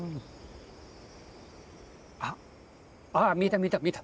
あっああ見えた見えた見えた。